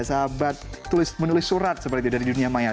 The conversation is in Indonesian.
sahabat menulis surat seperti itu dari dunia maya